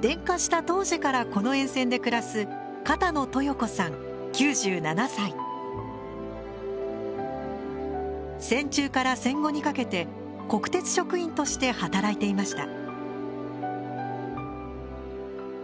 電化した当時からこの沿線で暮らす戦中から戦後にかけて国鉄職員として働いていました。